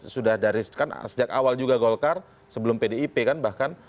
sudah dari kan sejak awal juga golkar sebelum pdip kan bahkan